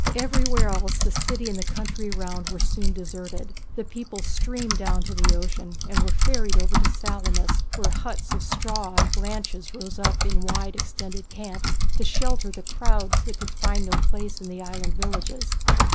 Everywhere else the city and the country round were soon deserted. The people streamed down to the shore and were ferried over to Salamis, where huts of straw and branches rose up in wide extended camps to shelter the crowds that could find no place in the island villages.